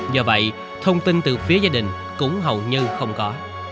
do vậy thông tin từ phía gia đình cũng hầu như không có